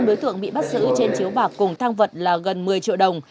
năm đối tượng bị bắt giữ trên chiếu bạc cùng thang vật là gần một mươi triệu đồng